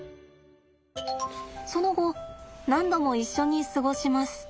その後何度も一緒に過ごします。